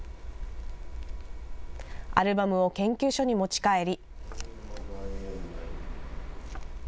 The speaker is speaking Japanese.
アルバムを研究所に持ち帰り。